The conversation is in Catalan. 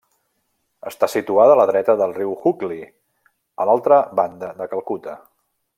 Està situada a la dreta del riu Hooghly, a l'altra banda de Calcuta.